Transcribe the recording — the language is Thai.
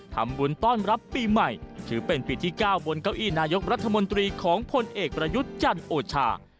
ทำบุญต้อนรับปีใหม่ถือเป็นปีที่๙บนเก้าอี้นายกรัฐมนตรีของพลเอกประยุทธ์จันทร์โอชา